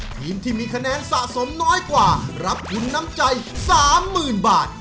ทีมที่มีคะแนนสะสมน้อยกว่ารับทุนน้ำใจ๓๐๐๐บาท